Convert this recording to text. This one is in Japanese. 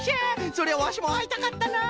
それはワシもあいたかったな。